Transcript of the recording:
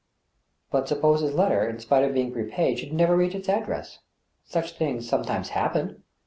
But suppose his letter, in spite of its being prepaid, should never reach its address ? Such things sometimes happen.